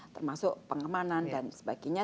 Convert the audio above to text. termasuk pengemanan dan sebagainya